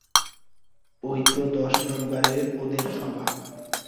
ঐ তো দশ নম্বরে ওদের সভা?